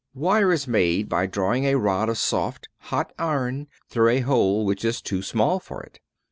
Wire is made by drawing a rod of soft, hot iron through a hole which is too small for it.